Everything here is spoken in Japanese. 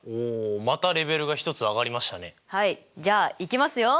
じゃあいきますよ。